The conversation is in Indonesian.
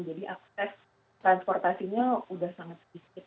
jadi akses transportasinya sudah sangat sedikit